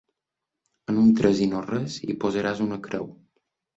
En un tres i no res hi posaràs una creu.